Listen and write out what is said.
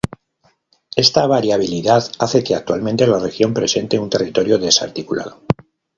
Esta variabilidad hace que actualmente la región presente un territorio desarticulado.